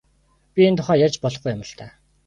Би энэ тухай ярьж болохгүй юм л даа.